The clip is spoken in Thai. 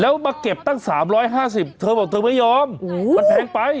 แล้วมาเก็บตั้งสามร้อยห้าสิบเธอบอกเธอไม่ยอมอู๋มันแพงไป